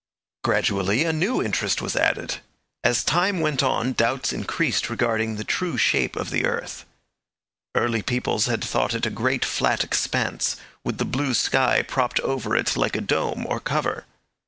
Gradually a new interest was added. As time went on doubts increased regarding the true shape of the earth. Early peoples had thought it a great flat expanse, with the blue sky propped over it like a dome or cover.